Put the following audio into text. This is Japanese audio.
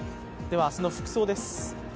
明日の服装です。